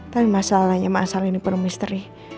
tapi masalahnya mas al ini penuh misteri